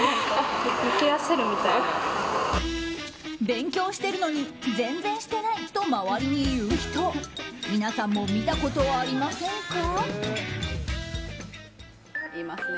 勉強してるのに全然してないと周りに言う人皆さんも見たことありませんか。